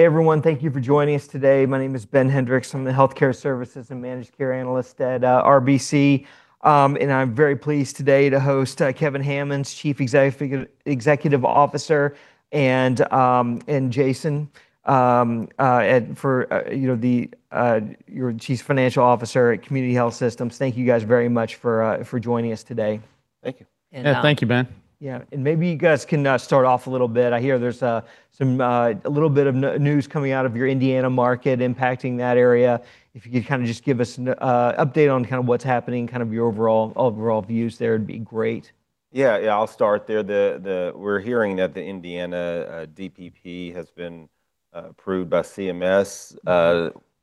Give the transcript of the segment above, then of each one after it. Hey everyone, thank you for joining us today. My name is Ben Hendrix. I'm the healthcare services and managed care analyst at RBC, and I'm very pleased today to host Kevin Hammons, Chief Executive Officer, and Jason, your Chief Financial Officer at Community Health Systems. Thank you guys very much for joining us today. Thank you. Yeah, thank you, Ben. Yeah. Maybe you guys can start off a little bit. I hear there's a little bit of news coming out of your Indiana market impacting that area. If you could just give us an update on what's happening, your overall views there, it'd be great. Yeah, I'll start there. We're hearing that the Indiana DPP has been approved by CMS.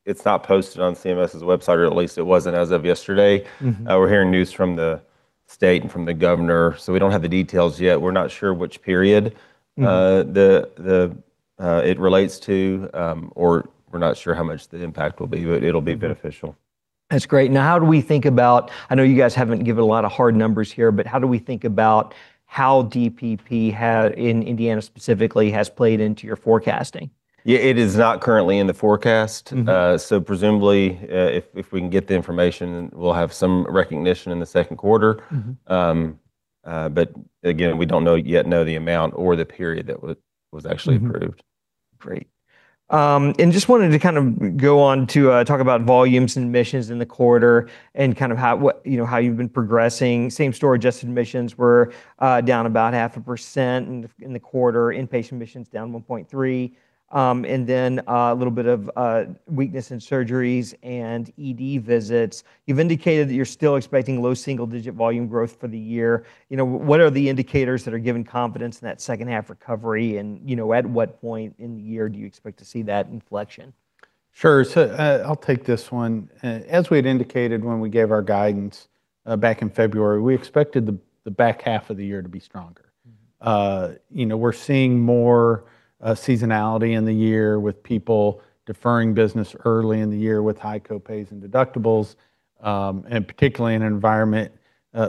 It's not posted on CMS's website, or at least it wasn't as of yesterday. We're hearing news from the state and from the governor, so we don't have the details yet. We're not sure which period. It relates to, or we're not sure how much the impact will be, but it'll be beneficial. That's great. How do we think about, I know you guys haven't given a lot of hard numbers here, but how do we think about how DPP, how in Indiana specifically, has played into your forecasting? It is not currently in the forecast. Presumably, if we can get the information, we'll have some recognition in the Q2. Again, we don't yet know the amount or the period that was actually approved. Great. Just wanted to go on to talk about volumes and admissions in the quarter, and how you've been progressing. Same-store adjusted admissions were down about 0.5% in the quarter, inpatient admissions down 1.3%, and then a little bit of weakness in surgeries and ED visits. You've indicated that you're still expecting low single-digit volume growth for the year. What are the indicators that are giving confidence in that H2 recovery, and at what point in the year do you expect to see that inflection? Sure. I'll take this one. As we had indicated when we gave our guidance back in February, we expected the H2 of the year to be stronger. We're seeing more seasonality in the year with people deferring business early in the year with high co-pays and deductibles, particularly in an environment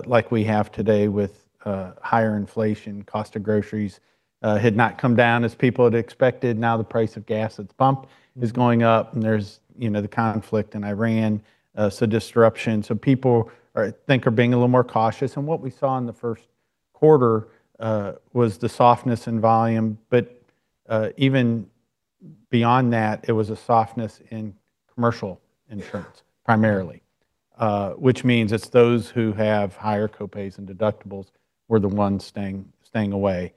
like we have today with higher inflation. Cost of groceries had not come down as people had expected. Now the price of gas at the pump is going up, and there's the conflict in Iran, so disruption. People, I think, are being a little more cautious. What we saw in the Q1 was the softness in volume, but even beyond that, it was a softness in commercial insurance, primarily. Which means it's those who have higher co-pays and deductibles were the ones staying away.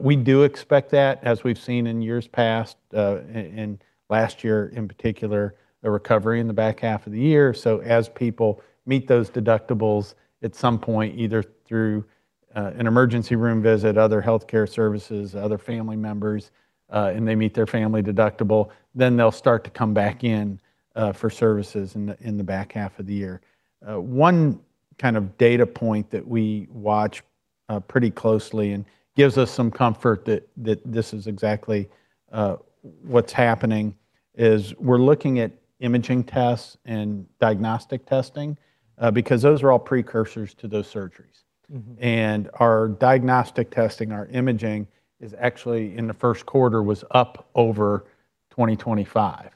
We do expect that, as we've seen in years past, and last year in particular, a recovery in the back half of the year. As people meet those deductibles at some point, either through an emergency room visit, other healthcare services, other family members, and they meet their family deductible, then they'll start to come back in for services in the H2 of the year. One kind of data point that we watch pretty closely and gives us some comfort that this is exactly what's happening is we're looking at imaging tests and diagnostic testing, because those are all precursors to those surgeries. Our diagnostic testing, our imaging, in the Q1, was up over 2025.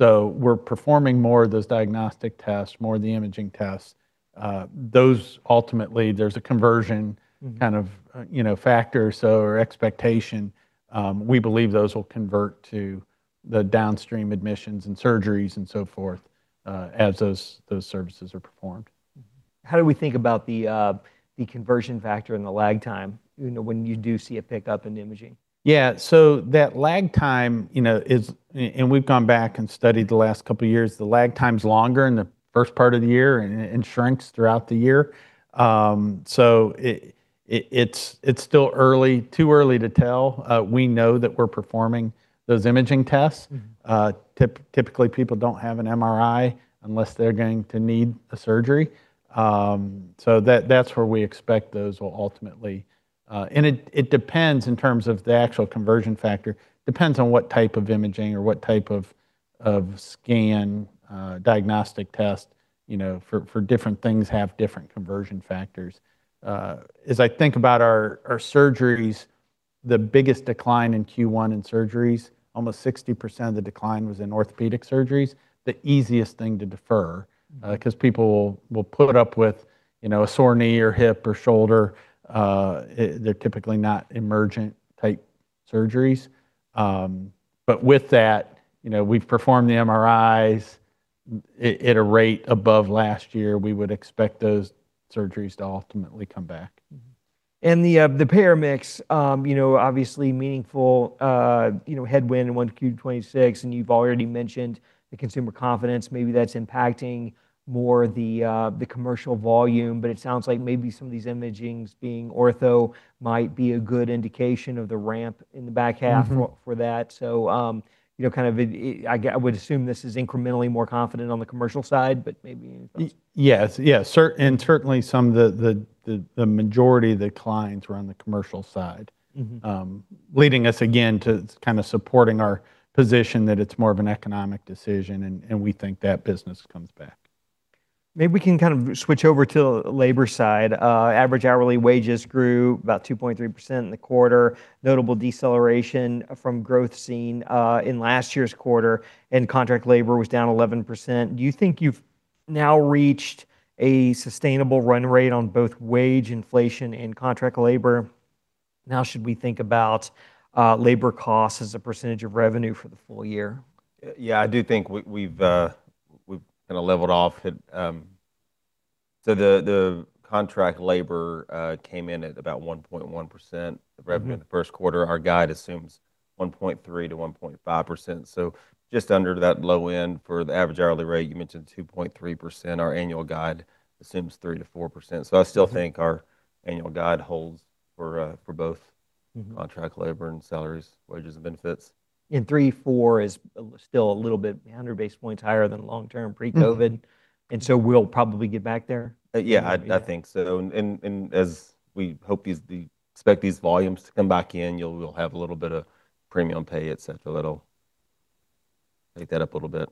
We're performing more of those diagnostic tests, more of the imaging tests. Those, ultimately, there's a conversion kind of factor. Our expectation, we believe those will convert to the downstream admissions and surgeries and so forth, as those services are performed. How do we think about the conversion factor and the lag time when you do see a pickup in imaging? Yeah. That lag time is, and we've gone back and studied the last couple of years, the lag time's longer in the first part of the year and shrinks throughout the year. It's still too early to tell. We know that we're performing those imaging tests. Typically, people don't have an MRI unless they're going to need a surgery. That's where we expect those will ultimately. It depends in terms of the actual conversion factor. Depends on what type of imaging or what type of scan, diagnostic test. Different things have different conversion factors. As I think about our surgeries, the biggest decline in Q1 in surgeries, almost 60% of the decline was in orthopedic surgeries, the easiest thing to defer. People will put up with a sore knee or hip or shoulder. They're typically not emergent type surgeries. With that, we've performed the MRIs at a rate above last year. We would expect those surgeries to ultimately come back. The payer mix, obviously meaningful headwind in Q1 2026, you've already mentioned the consumer confidence. Maybe that's impacting more the commercial volume, but it sounds like maybe some of these imagings being ortho might be a good indication of the ramp in the back half. For that. I would assume this is incrementally more confident on the commercial side, but maybe. Yes, certainly the majority of the declines were on the commercial side. Leading us, again, to kind of supporting our position that it's more of an economic decision. We think that business comes back Maybe we can switch over to labor side. Average hourly wages grew about 2.3% in the quarter, notable deceleration from growth seen in last year's quarter, and contract labor was down 11%. Do you think you've now reached a sustainable run rate on both wage inflation and contract labor? How should we think about labor costs as a percentage of revenue for the full year? Yeah, I do think we've kind of leveled off. The contract labor came in at about 1.1% of revenue in the Q1. Our guide assumes 1.3%-1.5%, so just under that low end for the average hourly rate. You mentioned 2.3%. Our annual guide assumes 3%-4%. I still think our annual guide holds for both contract labor and salaries, wages, and benefits. Three, four is still a little bit, 100 basis points higher than long term pre-COVID, and so we'll probably get back there? Yeah, I think so. As we expect these volumes to come back in, we'll have a little bit of premium pay, et cetera, that'll make that up a little bit.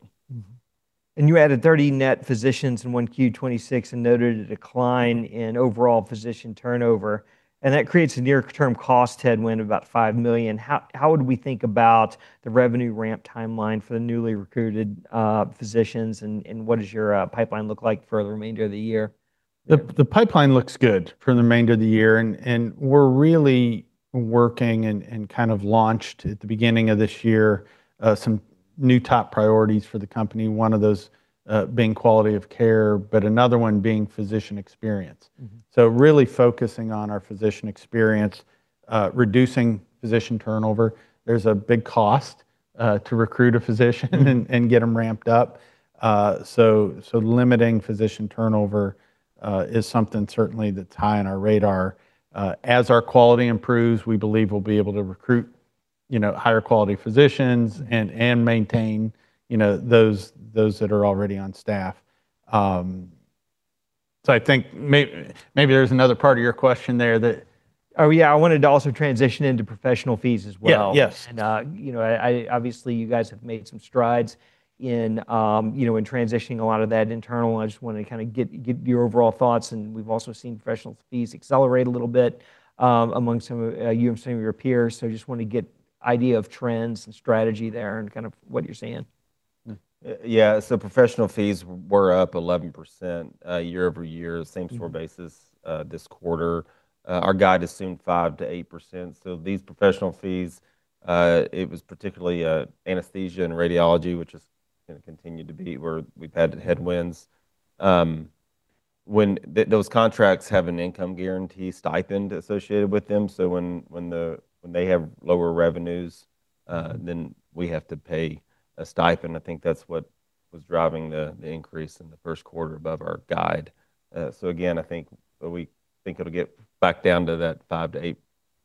You added 30 net physicians in Q1 2026 and noted a decline in overall physician turnover, and that creates a near term cost headwind of about $5 million. How would we think about the revenue ramp timeline for the newly recruited physicians, and what does your pipeline look like for the remainder of the year? The pipeline looks good for the remainder of the year. We're really working and kind of launched at the beginning of this year, some new top priorities for the company, one of those being quality of care, but another one being physician experience. Really focusing on our physician experience, reducing physician turnover. There's a big cost to recruit a physician and get them ramped up. Limiting physician turnover is something certainly that's high on our radar. As our quality improves, we believe we'll be able to recruit higher quality physicians and maintain those that are already on staff. I think maybe there's another part of your question there. Oh, yeah, I wanted to also transition into professional fees as well. Yeah. Yes. Obviously, you guys have made some strides in transitioning a lot of that internal. I just want to kind of get your overall thoughts, and we've also seen professional fees accelerate a little bit amongst some of your peers. Just want to get idea of trends and strategy there and kind of what you're seeing. Professional fees were up 11% year-over-year same store basis this quarter. Our guide assumed 5%-8%. These professional fees, it was particularly anesthesia and radiology, which has continued to be where we've had headwinds. Those contracts have an income guarantee stipend associated with them, so when they have lower revenues, then we have to pay a stipend. I think that's what was driving the increase in the Q1 above our guide. Again, I think it'll get back down to that 5%-8%,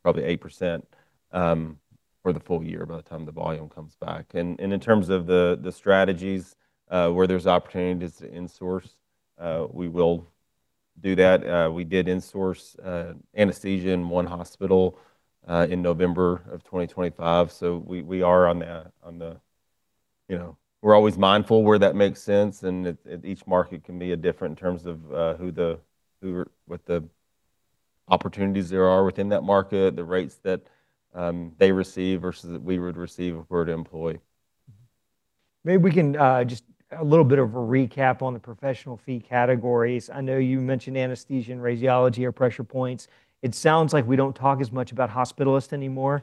probably 8%, for the full year by the time the volume comes back. In terms of the strategies, where there's opportunities to insource, we will do that. We did insource anesthesia in one hospital in November 2025. We're always mindful where that makes sense, and each market can be different in terms of what the opportunities there are within that market, the rates that they receive versus we would receive if we were to employ. Maybe we can just a little bit of a recap on the professional fee categories. I know you mentioned anesthesia and radiology are pressure points. It sounds like we don't talk as much about hospitalists anymore.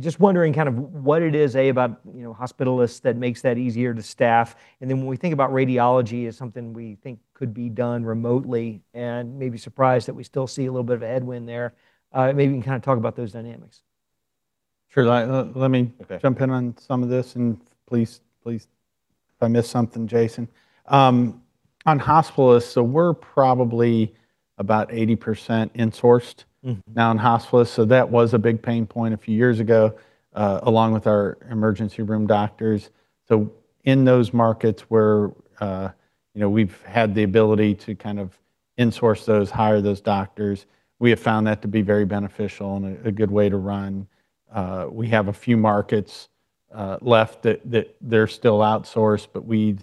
Just wondering kind of what it is, A, about hospitalists that makes that easier to staff? When we think about radiology as something we think could be done remotely and maybe surprised that we still see a little bit of a headwind there. Maybe you can kind of talk about those dynamics? Sure. Let me jump in on some of this, and please, if I miss something, Jason. On hospitalists, we're probably about 80% insourced now in hospitalists. That was a big pain point a few years ago, along with our emergency room doctors. In those markets where we've had the ability to insource those, hire those doctors, we have found that to be very beneficial and a good way to run. We have a few markets left that they're still outsourced, but we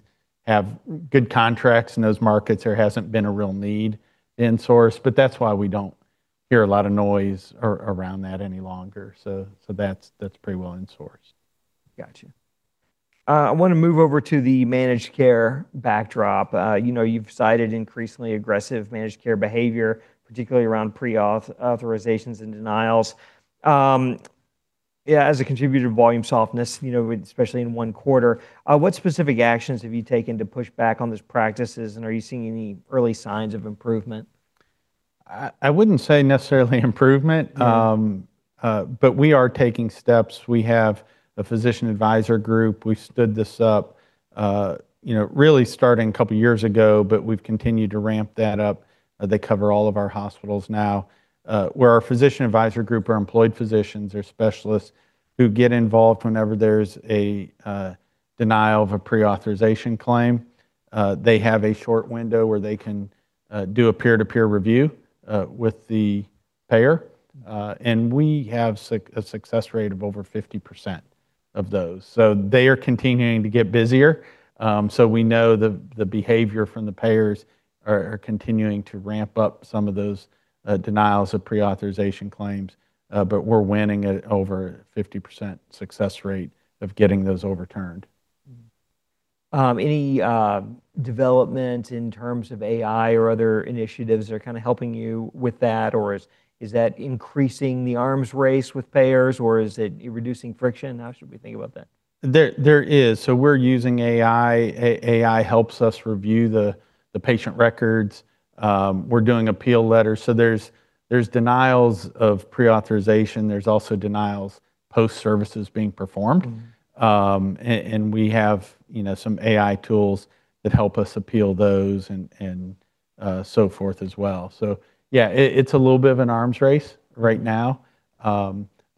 have good contracts in those markets. There hasn't been a real need to insource, but that's why we don't hear a lot of noise around that any longer. That's pretty well insourced. Got you. I want to move over to the managed care backdrop. You've cited increasingly aggressive managed care behavior, particularly around pre-authorizations and denials, yeah, as a contributor to volume softness, especially in one quarter. What specific actions have you taken to push back on those practices, and are you seeing any early signs of improvement? I wouldn't say necessarily improvement. Yeah. We are taking steps. We have a physician advisor group. We stood this up really starting two years ago. We've continued to ramp that up. They cover all of our hospitals now, where our physician advisor group, our employed physicians or specialists who get involved whenever there's a denial of a pre-authorization claim. They have a short window where they can do a peer-to-peer review with the payer. We have a success rate of over 50%. Of those. They are continuing to get busier. We know the behavior from the payers are continuing to ramp up some of those denials of pre-authorization claims. We're winning at over 50% success rate of getting those overturned. Any development in terms of AI or other initiatives that are helping you with that, or is that increasing the arms race with payers, or is it reducing friction? How should we think about that? There is. We're using AI. AI helps us review the patient records. We're doing appeal letters. There's denials of pre-authorization. There's also denials post-services being performed. We have some AI tools that help us appeal those and so forth as well. Yeah, it's a little bit of an arms race right now.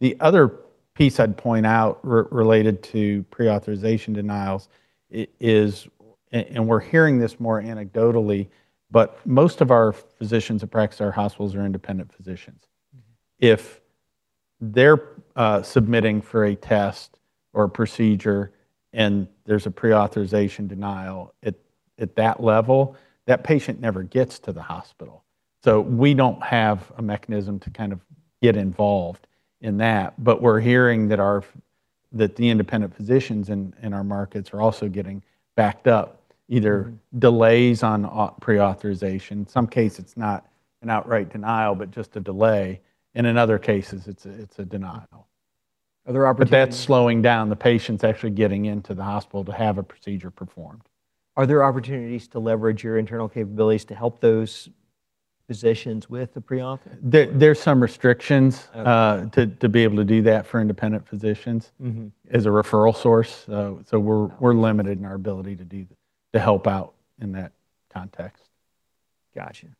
The other piece I'd point out related to pre-authorization denials is, and we're hearing this more anecdotally, but most of our physicians that practice at our hospitals are independent physicians. If they're submitting for a test or a procedure and there's a pre-authorization denial at that level, that patient never gets to the hospital. We don't have a mechanism to kind of get involved in that. We're hearing that the independent physicians in our markets are also getting backed up, either delays on pre-authorization, some case it's not an outright denial, but just a delay, and in other cases, it's a denial. Are there opportunities- That's slowing down the patients actually getting into the hospital to have a procedure performed. Are there opportunities to leverage your internal capabilities to help those physicians with the pre-auth? There's some restrictions to be able to do that for independent physicians as a referral source. We're limited in our ability to help out in that context. Got you.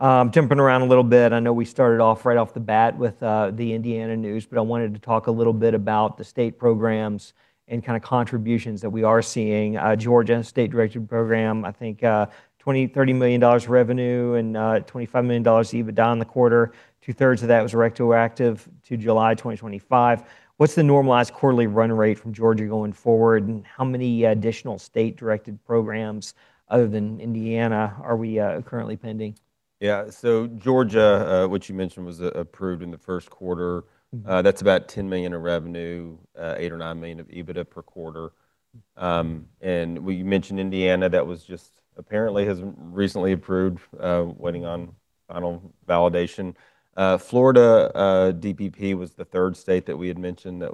Jumping around a little bit, I know we started off right off the bat with the Indiana news, but I wanted to talk a little bit about the state programs and kind of contributions that we are seeing. Georgia State-directed program, I think $20 million, $30 million revenue, and $25 million EBITDA in the quarter, 2/3 of that was retroactive to July 2025. What's the normalized quarterly run rate from Georgia going forward, and how many additional state-directed programs other than Indiana are we currently pending? Yeah. Georgia, which you mentioned, was approved in the first quarter. That's about $10 million of revenue, $8 million or $9 million of EBITDA per quarter. We mentioned Indiana, that was just apparently has recently approved, waiting on final validation. Florida DPP was the third state that we had mentioned that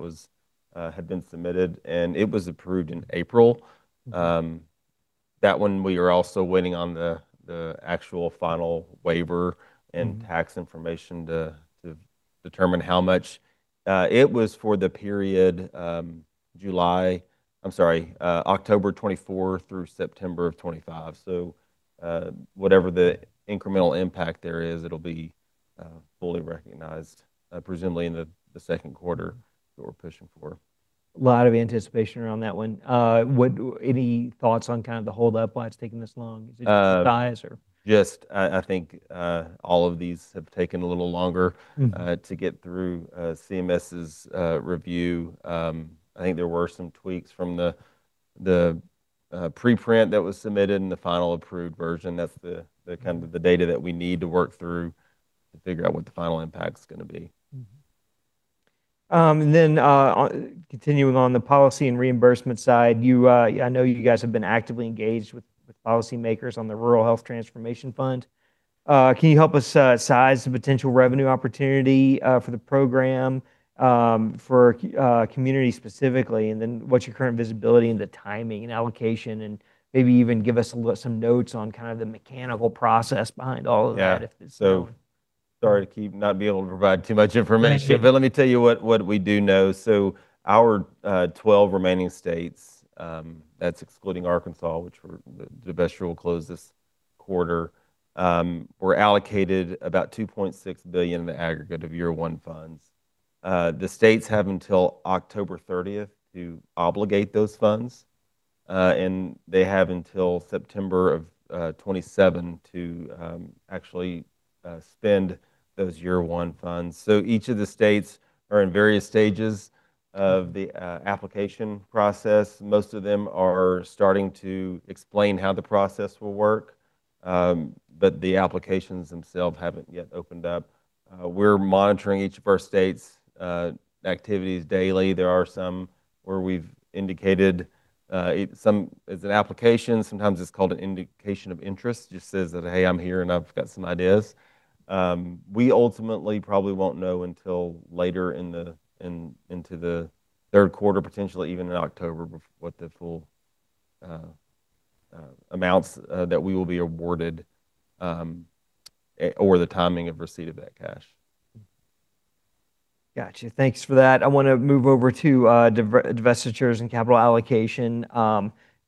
had been submitted, and it was approved in April. That one, we are also waiting on the actual final waiver and tax information to determine how much. It was for the period October 2024 through September of 2025. Whatever the incremental impact there is, it'll be fully recognized, presumably in the Q2 that we're pushing for. A lot of anticipation around that one. Any thoughts on kind of the hold-up, why it's taking this long? Is it just size or? Just I think all of these have taken a little longer to get through CMS's review. I think there were some tweaks from the preprint that was submitted and the final approved version. That's kind of the data that we need to work through to figure out what the final impact's going to be. Continuing on the policy and reimbursement side, I know you guys have been actively engaged with policymakers on the Rural Health Transformation Fund. Can you help us size the potential revenue opportunity for the program for Community specifically? What's your current visibility into timing and allocation, and maybe even give us some notes on kind of the mechanical process behind all of that if it's known. Yeah. Sorry to not be able to provide too much information. Thank you. Let me tell you what we do know. Our 12 remaining states, that's excluding Arkansas, which the divestiture closes this quarter, were allocated about $2.6 billion in the aggregate of Year 1 Funds. The states have until October 30th to obligate those funds. They have until September of 2027 to actually spend those Year 1 Funds. Each of the states are in various stages of the application process. Most of them are starting to explain how the process will work. The applications themselves haven't yet opened up. We're monitoring each of our states' activities daily. There are some where we've indicated, it's an application, sometimes it's called an indication of interest, just says that, "Hey, I'm here and I've got some ideas." We ultimately probably won't know until later into the third quarter, potentially even in October, what the full amounts that we will be awarded or the timing of receipt of that cash. Got you. Thanks for that. I want to move over to divestitures and capital allocation.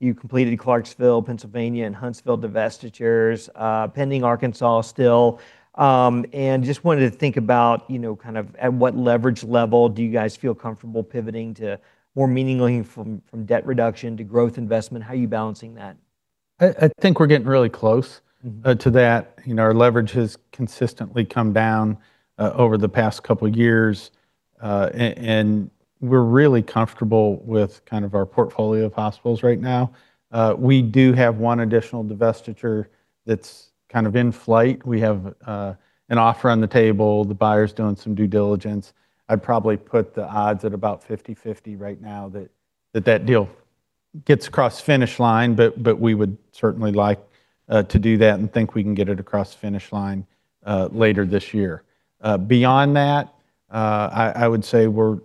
You completed Clarksville, Pennsylvania, and Huntsville divestitures. Pending Arkansas still. Just wanted to think about at what leverage level do you guys feel comfortable pivoting to more meaningfully from debt reduction to growth investment? How are you balancing that? I think we're getting really close to that. Our leverage has consistently come down over the past couple of years. We're really comfortable with our portfolio of hospitals right now. We do have one additional divestiture that's in flight. We have an offer on the table, the buyer's doing some due diligence. I'd probably put the odds at about 50/50 right now that that deal gets across the finish line. We would certainly like to do that and think we can get it across the finish line later this year. Beyond that, I would say we're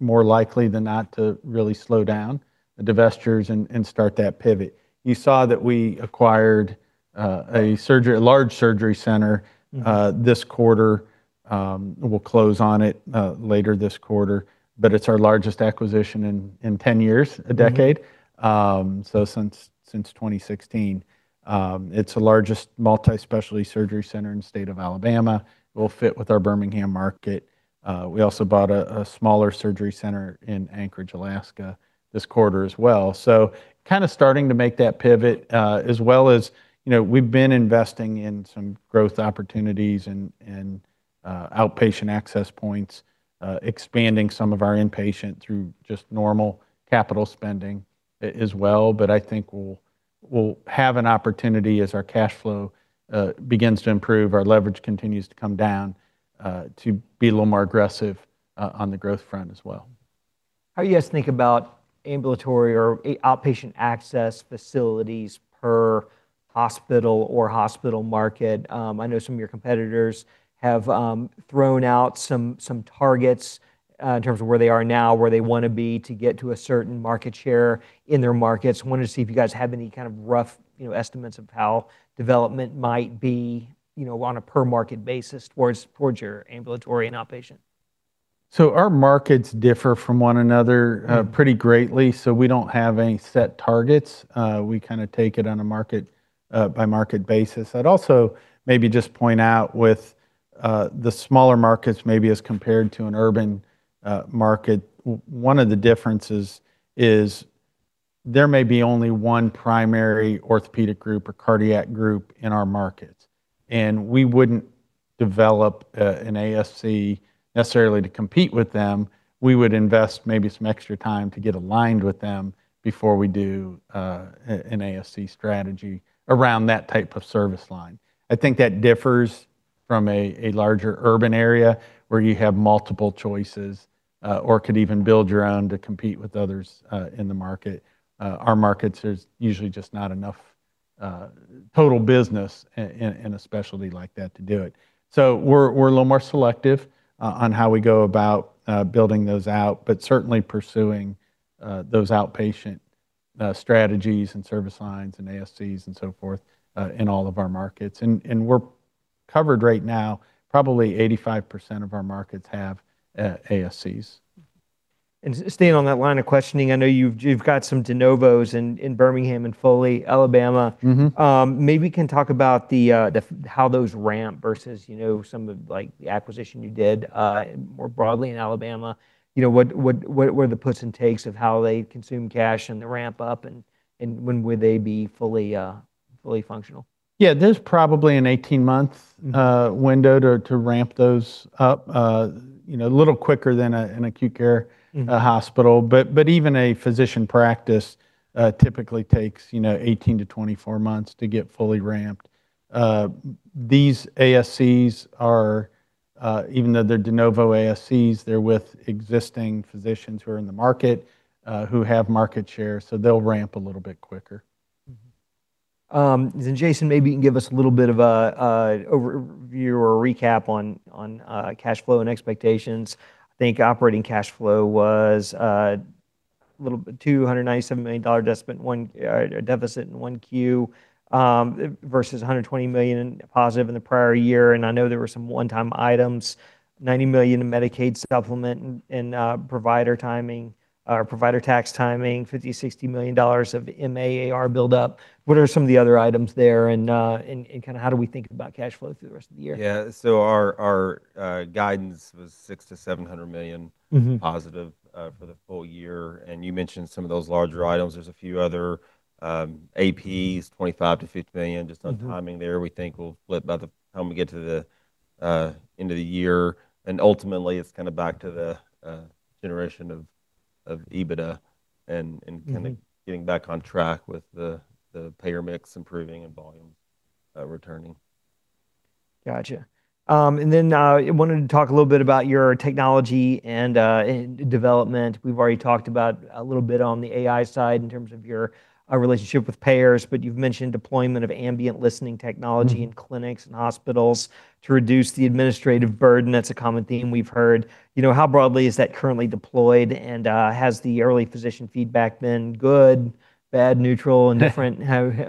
more likely than not to really slow down the divestitures and start that pivot. You saw that we acquired a large surgery center this quarter. We'll close on it later this quarter. It's our largest acquisition in 10 years, a decade. So since 2016. It's the largest multi-specialty surgery center in the state of Alabama. It will fit with our Birmingham market. We also bought a smaller surgery center in Anchorage, Alaska this quarter as well. Starting to make that pivot, as well as we've been investing in some growth opportunities and outpatient access points, expanding some of our inpatient through just normal capital spending as well. I think we'll have an opportunity as our cash flow begins to improve, our leverage continues to come down, to be a little more aggressive on the growth front as well. How do you guys think about ambulatory or outpatient access facilities per hospital or hospital market? I know some of your competitors have thrown out some targets in terms of where they are now, where they want to be to get to a certain market share in their markets. I wanted to see if you guys have any kind of rough estimates of how development might be on a per market basis towards your ambulatory and outpatient. Our markets differ from one another pretty greatly, so we don't have any set targets. We kind of take it on a market-by-market basis. I'd also maybe just point out with the smaller markets, maybe as compared to an urban market, one of the differences is there may be only one primary orthopedic group or cardiac group in our markets, and we wouldn't develop an ASC necessarily to compete with them. We would invest maybe some extra time to get aligned with them before we do an ASC strategy around that type of service line. I think that differs from a larger urban area where you have multiple choices or could even build your own to compete with others in the market. Our markets, there's usually just not enough total business in a specialty like that to do it. We're a little more selective on how we go about building those out, but certainly pursuing those outpatient strategies and service lines and ASCs and so forth in all of our markets. We're covered right now, probably 85% of our markets have ASCs. Staying on that line of questioning, I know you've got some de novos in Birmingham and Foley, Alabama. Maybe we can talk about how those ramp versus some of the acquisition you did more broadly in Alabama. What are the puts and takes of how they consume cash and the ramp-up, and when would they be fully functional? Yeah. There's probably an 18-month window to ramp those up. A little quicker than an acute care hospital. Even a physician practice typically takes 18-24 months to get fully ramped. These ASCs are, even though they're de novo ASCs, they're with existing physicians who are in the market, who have market share, they'll ramp a little bit quicker. Jason, maybe you can give us a little bit of a overview or a recap on cash flow and expectations. I think operating cash flow was a $297 million deficit in Q1, versus $120 million in positive in the prior year. I know there were some one-time items, $90 million in Medicaid's supplement, and provider timing or provider tax timing, $50 million, $60 million of A/R buildup. What are some of the other items there and how do we think about cash flow through the rest of the year? Yeah. Our guidance was $600 million-$700 million positive for the full year. You mentioned some of those larger items. There's a few other, A/P is $25 million-$50 million just on timing there, we think will flip by the time we get to the end of the year. Ultimately, it's back to the generation of EBITDA and kind of getting back on track with the payer mix improving and volumes returning. Gotcha. I wanted to talk a little bit about your technology and development. We've already talked about a little bit on the AI side in terms of your relationship with payers, but you've mentioned deployment of ambient listening technology in clinics and hospitals to reduce the administrative burden. That's a common theme we've heard. How broadly is that currently deployed, and has the early physician feedback been good, bad, neutral, and different?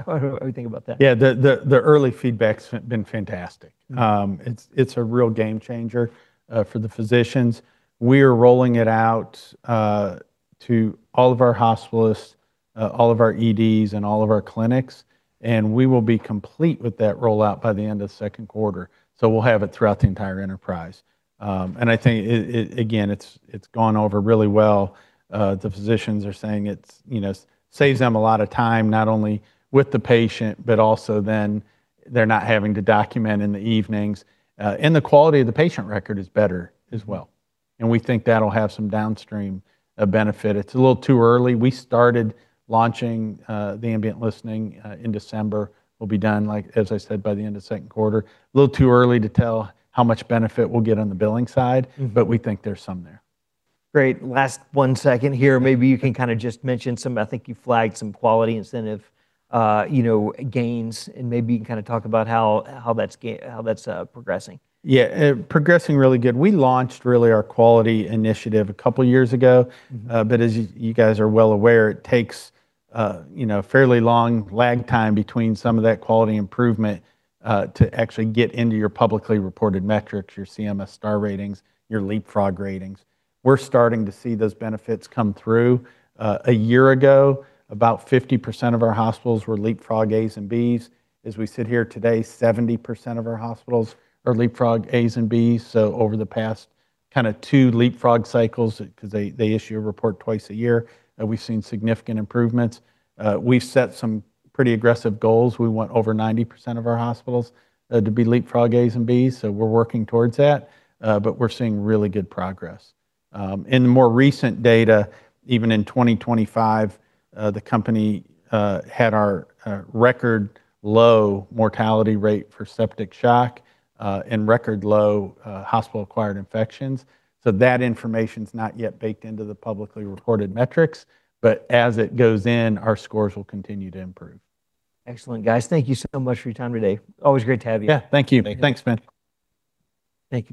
What do we think about that? Yeah. The early feedback's been fantastic. It's a real game changer for the physicians. We are rolling it out to all of our hospitalists, all of our EDs, and all of our clinics. We will be complete with that rollout by the end of the Q2. We'll have it throughout the entire enterprise. I think, again, it's gone over really well. The physicians are saying it saves them a lot of time, not only with the patient, but also then they're not having to document in the evenings. The quality of the patient record is better as well, and we think that'll have some downstream benefit. It's a little too early. We started launching the ambient listening in December. We'll be done, as I said, by the end of the Q2. A little too early to tell how much benefit we'll get on the billing side, but we think there's some there. Great. Last one second here. Maybe you can just mention some, I think you flagged some quality incentive gains, and maybe you can talk about how that's progressing. Yeah. Progressing really good. We launched, really, our quality initiative a couple of years ago. As you guys are well aware, it takes a fairly long lag time between some of that quality improvement, to actually get into your publicly reported metrics, your CMS star ratings, your Leapfrog ratings. We're starting to see those benefits come through. A year ago, about 50% of our hospitals were Leapfrog As and Bs. As we sit here today, 70% of our hospitals are Leapfrog As and Bs. Over the past two Leapfrog cycles, because they issue a report twice a year, we've seen significant improvements. We've set some pretty aggressive goals. We want over 90% of our hospitals to be Leapfrog As and Bs, so we're working towards that. We're seeing really good progress. In the more recent data, even in 2025, the company had our record low mortality rate for septic shock, and record low hospital-acquired infections. That information's not yet baked into the publicly reported metrics, but as it goes in, our scores will continue to improve. Excellent, guys. Thank you so much for your time today. Always great to have you. Yeah. Thank you. Thank you. Thanks, Ben. Thank you.